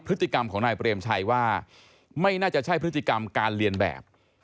พฤติกรรมของนายเปรมชัยว่าไม่น่าจะใช่พฤติกรรมการเรียนแบบ